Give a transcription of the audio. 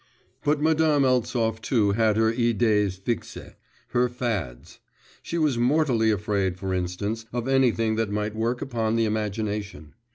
But Madame Eltsov too had her idées fixes, her fads. She was mortally afraid, for instance, of anything that might work upon the imagination.